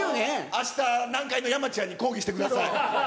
あした、南海の山ちゃんに抗議してください。